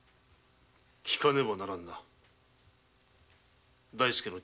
聞かねばならんな。